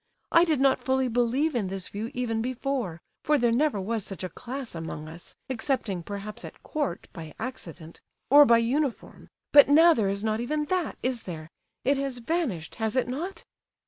I did not fully believe in this view even before, for there never was such a class among us—excepting perhaps at court, by accident—or by uniform; but now there is not even that, is there? It has vanished, has it not?"